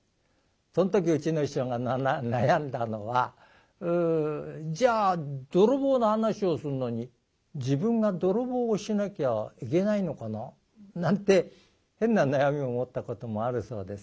その時うちの師匠が悩んだのは「じゃあ泥棒の噺をするのに自分が泥棒をしなきゃいけないのかな」なんて変な悩みを持ったこともあるそうですけれどいやそうじゃない。